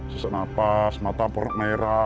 sesek nafas mata merah perih